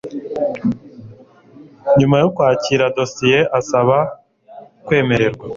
Nyuma yo kwakira dosiye isaba kwemererwa